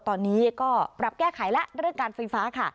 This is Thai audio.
ตอนนี้ก็ปรับแก้ไขแล้วเรื่องการไฟฟ้าค่ะ